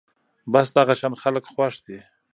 بس دغه شان خلک خوښ دي